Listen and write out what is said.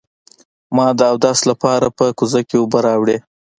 ما د اودس لپاره په کوزه کې اوبه راوړې.